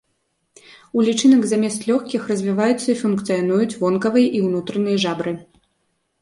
У лічынак замест лёгкіх развіваюцца і функцыянуюць вонкавыя і ўнутраныя жабры.